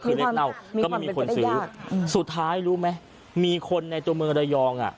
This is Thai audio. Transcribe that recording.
คือเลขเน่าก็ไม่มีคนซื้อสุดท้ายรู้ไหมมีคนในตัวเมืองระยองอ่ะ